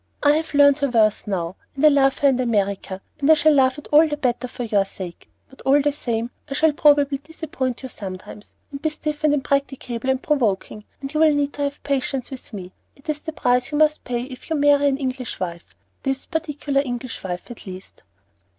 I have learned her worth now, and I love her and America, and I shall love it all the better for your sake; but all the same, I shall probably disappoint you sometimes, and be stiff and impracticable and provoking, and you will need to have patience with me: it's the price you must pay if you marry an English wife, this particular English wife, at least."